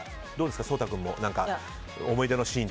颯太君も思い出のシーンは？